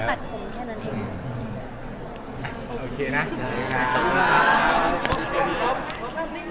มันก็แค่ต้องไม่ตัดผมแค่นั้นเอง